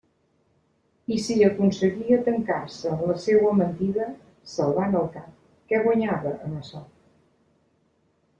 I si aconseguia tancar-se en la seua mentida, salvant el cap, què guanyava amb açò?